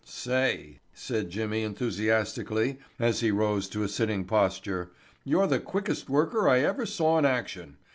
"Say," said Jimmy enthusiastically, as he rose to a sitting posture, "you're the quickest worker I ever saw in action.